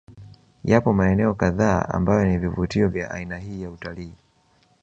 Yapo maeneo kadhaa ambayo ni vivutio vya aina hii ya Utalii